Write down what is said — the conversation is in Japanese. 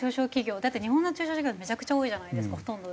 だって日本の中小企業ってめちゃくちゃ多いじゃないですかほとんどで。